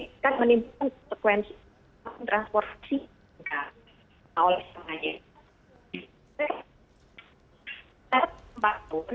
tidak perlu kuasa